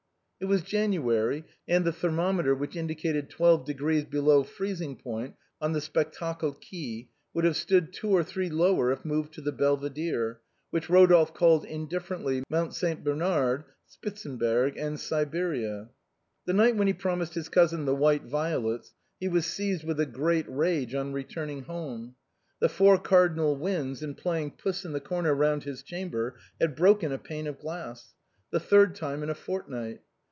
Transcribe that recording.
It was January, and the thermometer, which indicated twelve degrees below freezing point on the Spectacle Quay, would have stood two or three lower if moved to the belvi dere, which Eodolphe called indifferently Mount St. Ber nard, Spitzenberg, and Siberia. The night when he had promised his cousin the white violets, he was seized with a great rage on returning home; the four cardinal winds, in playing puss in the corner round his chamber, had broken a pane of glass — the third time in a fortnight.